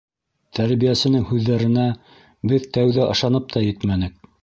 Тәрбиәсенең һүҙҙәренә беҙ тәүҙә ышанып та етмәнек.